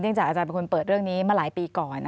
จากอาจารย์เป็นคนเปิดเรื่องนี้มาหลายปีก่อน